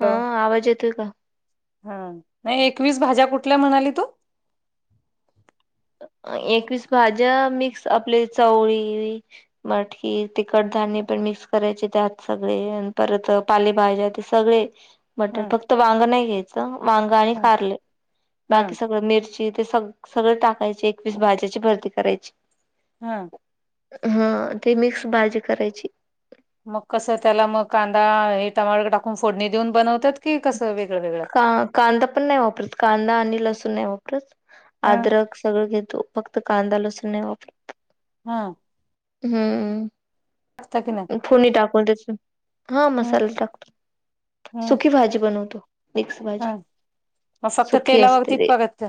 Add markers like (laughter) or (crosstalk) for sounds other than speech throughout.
हं हॅलो आवाज येतोय का? हा नाही एकवीस भाज्या कुठल्या म्हणाली तू एकवीस भाज्या मिक्स आपले चवळी मटकी, ती कट धान्य पण मिक्स करायचे त्यात सगळे अन परत पालेभाज्या ते सगळे. मटर हा फक्त वांग नाही घ्यायचं, वांग आणि हा कारले हा बाकी सगळ मिरची ते सग सगळ टाकायचे, एकवीस भाज्याची भरती करायची. हा! हं ते मिक्स भाजी करायची. म कसं त्याला म कांदा हे टमाटर टाकून फोडणी देऊन बनवत्यात. की कस वेगळं वेगळं. का-कांदा पण नाही वापरत कांदा आणि लसूण नाही वापरत, हा आदरक सगळं घेतो. फक्त कांदा लसुन नाही वापर. हा! हूं! आता की नाही. फोडणी टाकून त्यासून हा हम्म मसाला टाकतो हम्म सुकी भाजी बनवतो. मिक्स भाजी हा मग फक्त सुकी असते तेलावरती ती परत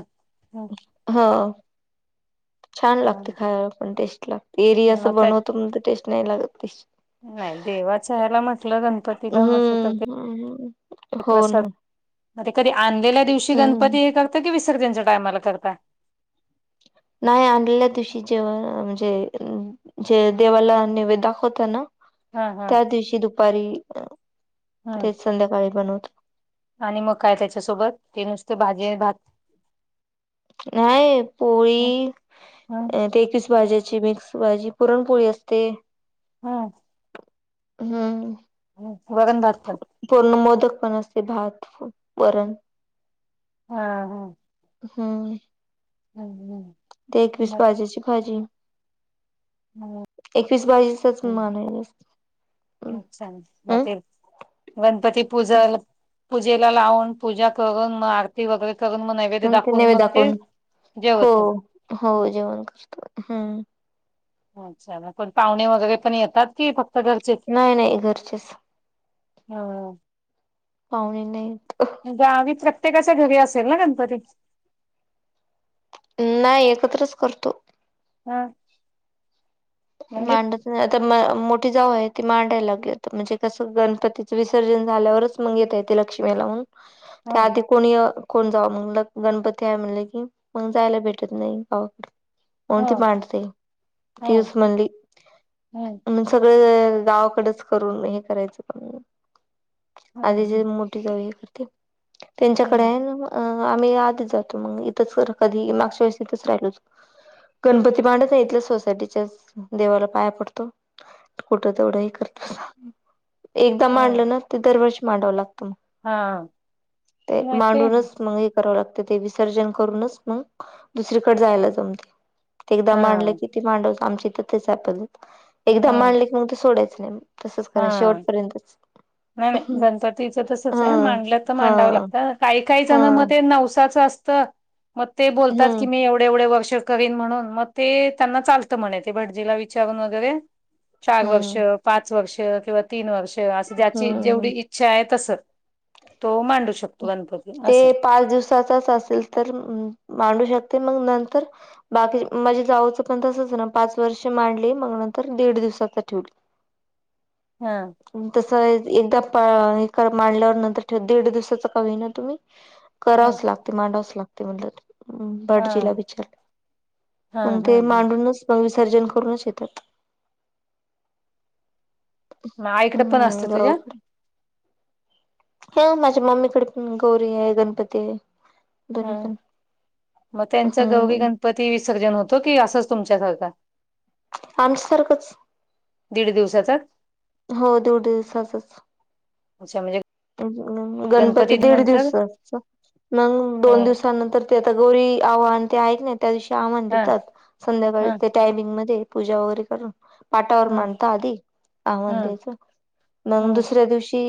मग हो छान लागते खायला पण टेस्ट लागते. एरी असं त्या बनवतो मग ते टेस्ट नाही लागत टेस्ट नाही देवाच्या याला म्हटलं गणपती हम्म हम्म हो ना म कधी आणलेल्या दिवशी हम्म गणपती हे करता कि विसर्जनच्या टायमाला करताय. नाही आणलेल्या दिवशी जेव म्हणजे जे देवाला नैवेद्य दाखवता ना हा हा त्या दिवशी दुपारी हम्म तेच संध्याकाळी बनवतो. आणि मग काय त्याच्यासोबत ते नुसत भाजी भात नाही पोळी हम्म एकवीस भाज्याची मिक्स भाजी पुरणपोळी असते. हा. हम्म वरण भात खात. पूर्ण मोदक पण असते भात वरण हा हा हम्म हम्म हम्म ते एकवीस भाज्याची भाजी हो. एकवीस भाजीचाच मान ये. अच्छा मग ते गणपती पूजल पूजेला लावून पूजा करून मग आरती वगैरे करून मग नैवेद्य ते दाखवून नैवेद्य मग ते दाखवून हो जेवतो. हो जेवण करतोस. अच्छा मग पण पाहुणे वगैरे पण येतात कि फक्त घरचे नाही नाही घरचेच हा पाहुणे नाही. गावी प्रत्येकाच्या घरी असेल ना गणपती नाही एकत्रच करतो. हा. म्हणजे मांडत आता म मोठी जाऊ आहे ती मांडायला लागेल म्हणजे कसं गणपतीच विसर्जन झाल्यावरच मग येते लक्ष्मीला ह ते आधीच कोणी कोण जाव मग गणपती आहे म्हणले की मग जायला भेटत नाही गावाकडे ह कोणती मांडते ह तीच म्हणली. ह मग सगळे गावाकडेच करून हे करायचं पण आधी जे ह मोठी जाऊ हे करते त्यांच्याकडे ह आहे ना अ आम्ही आधीच जातो मग इथंच कधी मागच्या वेळेस इथच राहिलो होत. गणपती मांडत नाही इथल्या सोसायटीच्या देवाला पाया पडतो कुठं तेवढं हे करत बसाव एकदा ह मांडलं ना ते दरवर्षी मांडावं लागत मग हा ते मांडूनच मग हे करावं लागते ते विसर्जन करूनच मग दुसरीकडे जायला जमते ते एकदा हा मांडलं की ती मांडव आमच्या इथ तेच आहे पद्धत एकदा हा मांडले की मग ते सोडायचं नाही तसच करा शेवटपर्यंतच गणपतीच तसच हा आय मांडलं तर हा मांडावं लागत काही काही हा जण मध्ये नवसाच असत म ते बोलतात की हम्म मी एवढे एवढे वर्ष करीन म्हणून म ते त्यांना चालत म्हणे ते भटजीला विचारून वगैरे चार वर्ष हम्म पाच वर्ष किंवा तीन वर्ष असं हम्म हम्म जेवढी इच्छा हाय तस तो मांडू शकतो गणपती. ते असं पाच दिवसाचाच असेल तर मांडू शकते मग नंतर बाकी माझे जाऊचं पण तसंच ना पाच वर्ष मांडली मग नंतर दीड दिवसाचा ठेवली. हा. तसं एकदा पा मांडल्यावर नंतर ठेव दीड दिवसाच का होईना तुम्ही ह करावच लागते मांडावच लागते म्हणलं. हा भटजीला विचारलं हा मग हा ते हा. मांडूनच मग विसर्जन करूनच येतात. म आयकड पण असत हम्म तुझ्या? हो माझ्या मम्मीकडे पण गौरी आय गणपती आय. हम्म म त्यांच गौरी हम्म गणपती विसर्जन होतो की असंच तुमच्यासारखा? आमच्यासारखंच. दीड दिवसाचा हो दीड दिवसाचच अच्छा म्हणजे गणपती दीड दिवसच असतो. मग दोन हा दिवसानंतर ते आता गौरी आव्हान ते हायत ना त्या दिवशी आव्हान देतात. संध्याकाळी त्याला ते टायमिंगमध्ये पूजा वगैरे करून. पाटावर मांडता आधी आव्हान द्यायच मग दुसऱ्या दिवशी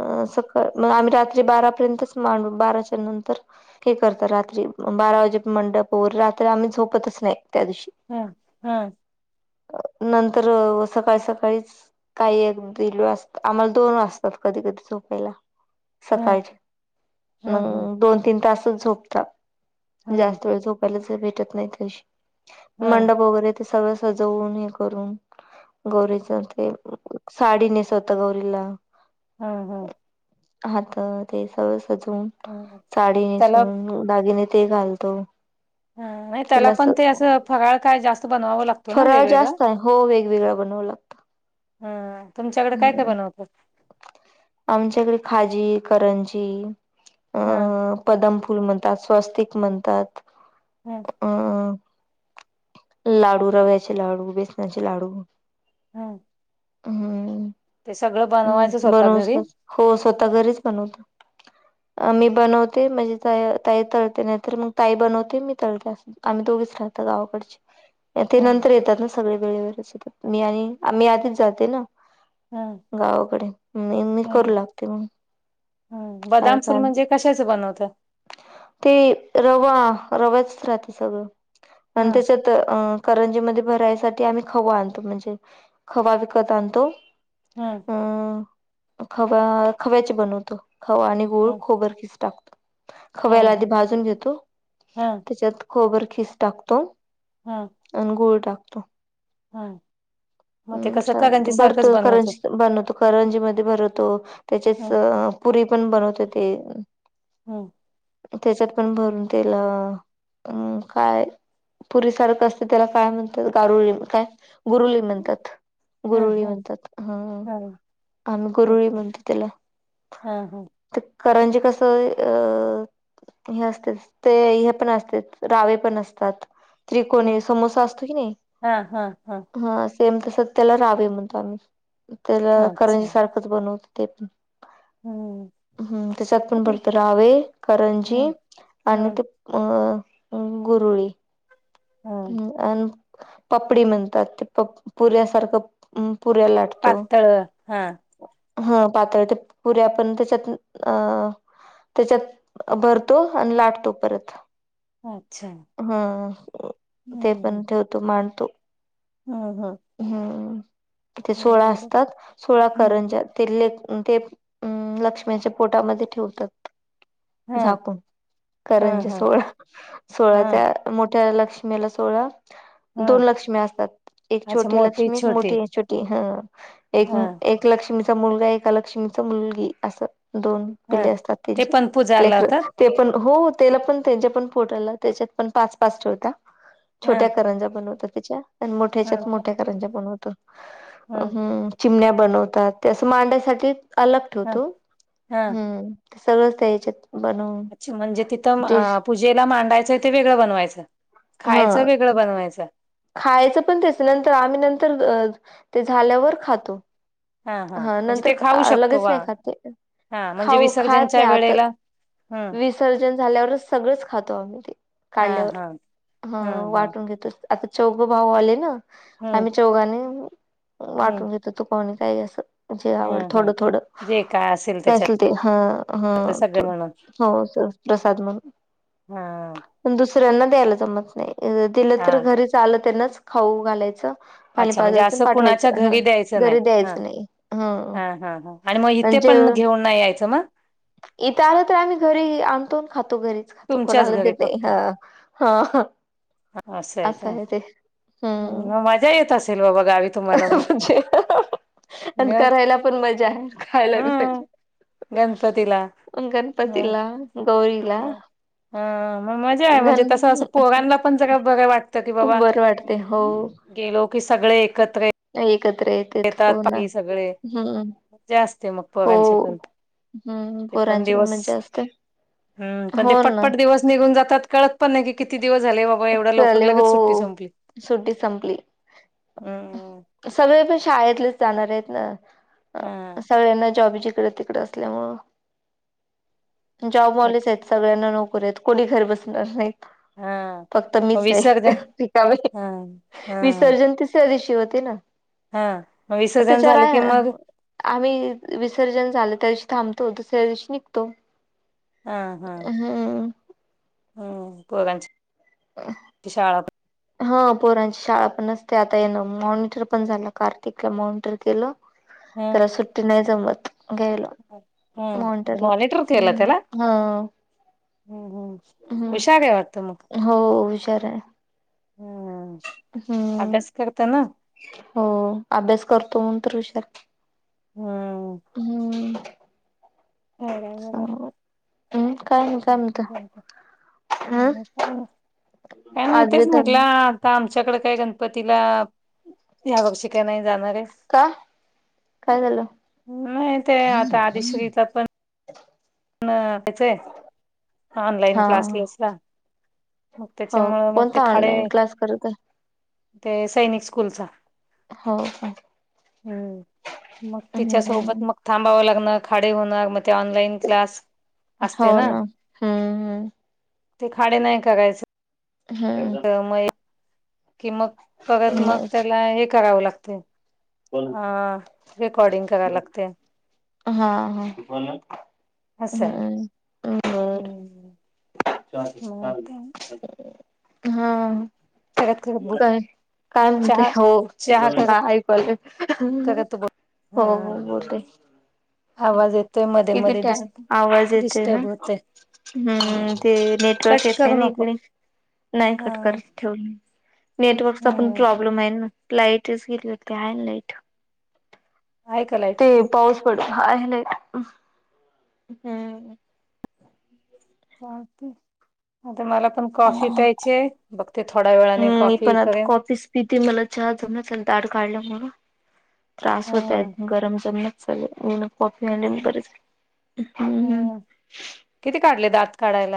अ सकाळ म आम्ही रात्री बारापर्यंतच मांडू बाराच्या नंतर हे करत रात्री बारा वाजे मंडप रात्री आम्ही झोपतच त्या दिशी. हा हा. नंतर सकाळी सकाळीच काही एक दिलु अस आम्हाला दोन वाजतात. कधी कधी झोपायला सकाळचे मग दोन तीन तासच झोप जास्त वेळ झोपायलाच भेटत नायत त्या दिवशी मंडप वगैरे ते सगळं सजवून हे करून गौरीच ते साडी नेसवतो गौरीला. हा हा. हा ते सगळ सजून साडी नेसून दागिने ते घालतो. हा नाय त्याला पण ते असं फराळ काय जा स्त बनवाव लागतो ना फराळ वेगवेगळ? जास्त आहे हो वेगवेगळा बनवला हा तुमच्याकडे काय काय बनवतात? आमच्याहिकडं खाजी, करंजी हा. बदाम फूल म्हणतात स्वस्तिक म्हणतात. हम्म. अ लाडू रव्याचे लाडू, बेसनाचे लाडू हम्म. हम्म, बनवायचं स्वतः बरोज घरी हो स्वतः घरीच बनवतो. मी बनवते म्हणजे ता-ताई तळते नायतर मग ताई बनवते मी तळते अस. आम्ही दोघीच राहत गावाकडची. ते हं, नंतर येतात ना सगळे वेळेवरच येतात मी आणि आम्ही आधीच जाते ना. हं, गावाकडे मी मी हं, करू लागते मंग काय काम. कशाचं बनवताय. ते रवा रव्याचच राहते सगळं आणि त्याच्यात अ करंजीमध्ये भरायसाठी आम्ही खव्वा आणतो म्हणजे खवा विकत आणतो. हम्म अ खवा खव्याचे बनवतो खवा आणि गूळ खोबरकीस टाक खव्याला आधी मग भाजून घेतो त्याच्यात खोबर खीस टाकतो. हा अन गुळ टाकतो. ते हम्म कसं करंजी छान भरतो सारखंच बनवत करंजीच बनवतो. करंजी मध्ये भरतो त्याचेच ह पुरी पण बनवते येते. हम्म त्याच्यात पण भरून तेल अ काय पुरी सारखं असते त्याला काय म्हणतात गारुळी काय गुरुली म्हणतात ह गुरुली ह म्हणतात हा हा आमी गुरुळी म्हणतो त्याला हा हा ते करंजी कसं अ हे असत्यात ते हे पण असत्यात रावे पण असतात. ह त्रिकोणी समोसा असतो की नाही हा हा हा अस तेेम तसं त्याला रावे म्हणतो आम्ही त्याला अच्छा करंजी सारखंच बनवतो ते पण हम्म हम्म त्याच्यात पण भर ते- रावे, हम्म करंजी आणि हम्म ते अ गुरुळी. हम्म अन पपडी म्हणतात ते प पुऱ्यासारखं पुऱ्या लाट पातळ हा हं पातळत ते पुऱ्या आपण त्याच्यात अं त्याच्यात भरतो आणि लाटतो परत अच्छा हा ते पण हम्म ठेवतो मांडतो. हम्म हा. हम्म तिथे सोळा असतात. सोळा हम्म करंजा ते ले ते लक्ष्मीच्या पोटामध्ये ठेवतात. हा झाकून हा करंजा हा सोळा सोळा हा त्या मोठ्या लक्ष मिला सोळा हा दोन लक्ष्मी असतात एक अच्छा छोटी मोठी लक्ष्मी एक छोटी मोठी छोटी हा हा एक लक्ष्मीचा मुलगा एका लक्ष्मीच मुलगी असं दोन हा पिल्ले असतात ते त्यांची पण पूजाला लेकरं होतात ते पण हो त्याला पण त्यांच्या पण पोटाला त्याच्यात पण पाच पाच ठेवतात. हा छोट्या करंजा बनवतात त्याच्या आणि हा मोठ्याच्यात मोठ्या करंजा बनवतो अ हा हम्म चिमण्या बनवतात ते असं मांडायसाठी अलग हा ठेवतो हा हम्म सगळंच ते याच्यात बनवून अच्छा म्हणजे तिथं ते अ पूजेला मांडायचंय ते वेगळं बनवायचं. हा खायचं वेगळं बनवायचं खायचं पण त्याच नंतर आम्ही नंतर ते झाल्यावर खातो. हा हा म्हणजे नंतर ते खाऊ अ शकतो लगेच वा नाही खात ते. हा म्हणजे खाऊ खात विसर्जनच्या नाही आता वेळेला हम्म विसर्जन झाल्यावरच सगळंच खातो आम्ही ते हा काढल्यावर. हा हा हम्म हम्म वाटून घेतोच तो. आता चौघे भाऊ आले ना हम्म आम्ही चौघांनी हम्म वाटून घेतो तर तू कोणी काही असं म्हणजे आवड हम्म हम्म. थोडं थोडं जे काय असेल तर असल त्याच्यातलं ते हा हा सगळे थो म्हणून हो असं प्रसाद हा म्हणून दुसऱ्यांना द्यायला जमत नाही अ दिलं तर हा घरीच आलं त्यांनाच खाऊ घालायचं. पाणी अच्छा म्हणजे पाजवायचं आणि असं कुणाच्या पाठवायचं हा घरी द्यायचं नाही घरी हा द्यायचं नाही हा हा हा. आणि म इथे पण घेऊन नाही यायचं म? इथं आलं तर आम्ही घरी आणतो आन खातो घरीच खातो तुमच्याच कोणाला घरी देत नाही हा. हा हा. असंय का हम्म मग मजा येत असेल बाबा गावी. तुम्हाला मग (unintelligible) ग- करायला पण मजा आहे खायला हा पण मजा. गणपतीला पण गणपतीला गौरीला. आं मग मजा आहे म्हणजे गण तसं असं पोरांनला पण सगळा बघ वाटतं कि बाबा बरं वाटते हो गेलो की सगळे एकत्र एकत्र येतात हो ना बाकी सगळे हम्म मजा असते मग हो. पोरांची पण हम्म ते पोरांची पण दिवस मज्जा असते. हम्म पण ते हो ना पटपट दिवस निघून जातात कळत पण नाही की किती दिवस झाले बाबा एवढ्या लवकर चालेल हो लगेच सुट्टी संपली. सुट्टी संपली हम्म सगळे पण शाळेतलेच जाणार आहेत ना. हा सगळ्यांना जॉब जिकडे तिकड असल्यामूळं. जॉब वालेच आहेत सगळ्यांना नोकरी आहेत कोणी घरी बसणार नाहीत. हा. फक्त मग मीच आहे विसर्जन रिकामी हा हा विसर्जन तिसऱ्या दिवशी होते ना. हा मग विसर्जन त्याच्याार झालं आहे की मग आम्ही विसर्जन झालं त्या दिवशी थांबतो दुसऱ्या दिवशी निघतो. हा हा. हम्म. हम्म पोरांची शाळा (unintelligible) हा पोरांची शाळा पण असते आता ये ना मॉनिटर पण झालं कार्तिकला मॉनिटर केलं. हम्म त्याला सुट्टी नाही जमत घ्यायला हम्म आता मॉनिटर केला त्याला (unintelligible) हां. हम्म हम्म हुशार आहे वाटतं मग? हो हुशार आहे हा हम्म अभ्यास करतो ना. हो अभ्यास करतो म्हणून तर हुशार आहे. हम्म. हम्म सावत (inaudible) आणि काय काय नाही आजवे तेच म्हटलं आता आमच्याकडे काय गणपतीला या वर्षी काय नाही जाणार आहे? का काय झालं नाही ते आता आधिश्रीचा पण (inaudible) (unintelligible) ऑनलाइन हा क्लासेस ला. मग हो त्याच्यामुळ मग ते कोणता खाडे ऑनलाईन क्लास करत आहे ते सैनिक स्कूलचा. हो का हम्म मग तिच्या हम्म सोबत मग थांबावं लागणं, खाडे होणार मग ते ऑनलाईन क्लास असते हो ना. हम्म ते खाडे नाही करायच. हम्म. म कि मग बघत हम्म मग बर त्याला हे करावं लागतय अं रेकॉर्डिंग करावी लागते. हां हां. असय हम्म हम. हं. कागत काय काय म्हणतेय हो चहा करत ह ऐकु आल. करत बोल हो हो हा बोलतेय. आवाज येतोय मध्ये किती मध्ये दिस टाईम आवाज येतोय ना? डिस्टर्ब होतय हा हम्म ते नेटवर्क कट येतय करू न नको इकडे नाही हा कट करत. ठेव नेटवर्कचा पण हम्म प्रॉब्लेम आहे ना, लाईटच गेली होती हाय लाईट. आहे का लाईट? ते पाऊस पडत हाहे लाईट. हम्म. चालते, आता मला पण कॉफी प्यायचीय, बघते थोड्या वेळाने कॉफी करेन. पिती मला चहा जमणाच झाल दाड काढल्यामुळं त्रास होत आहेत, हम्म गरम जमणाच (unintelligible) लेन कॉफी आनल हम्म बरच हम्म किती काढले दात काढायला?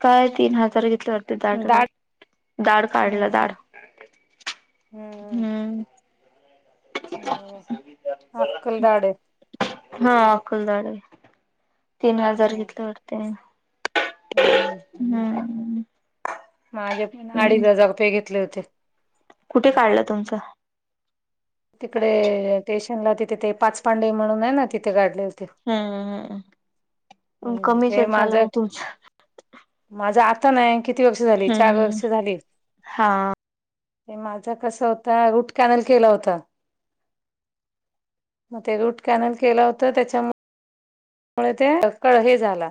काय तीन हजार घेतलं वाट त दात काढ दाड काढल्या हम्म दाड हम्म होे आक्कल दाढयत हा आक्कल दाडय तीन हजार हम्म घेतले वाटतय. हम्म. माझ्या पण हम्म. अडीच हजार रुपये घेतले होते. कुठे काढलं तुमचं? तिकडे स्टेशनला तिथे ते पाच पांडे म्हणून आहे ना, तिथे गाडले होते. हम्म हम्म मग कमी ह्यातच झालं मग तुमच. माझा आता नाय, किती वर्ष झाली? चार हम्म वर्ष झाली. हा. हे माझ कसं होत रूट कॅनल केला होता. मग ते रूट कॅनल केलं होत त्याच्याम मुळ ते क हे झाला.